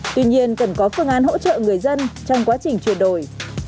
tuy nhiên cần có phương án hỗ trợ người dân trong quá trình chuyển đổi